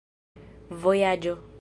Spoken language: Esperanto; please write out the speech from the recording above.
vojaĝo